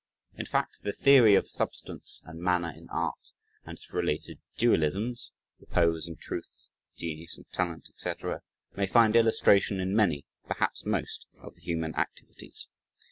In fact, the theory of substance and manner in art and its related dualisms, "repose and truth, genius and talent," &c., may find illustration in many, perhaps most, of the human activities.